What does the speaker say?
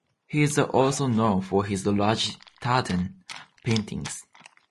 He is also known for his large tartan paintings.